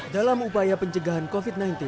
dalam upaya pencegahan covid sembilan belas